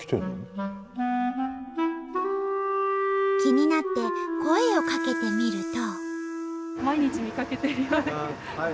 気になって声をかけてみると。